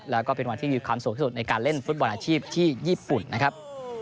แล้วก็เป็นวันที่มีความสุขที่สุดในการเล่นฟุตบอลอาชีพที่ญี่ปุ่นนะครับ